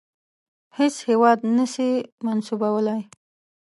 هیڅ هیواد نه سي منسوبولای.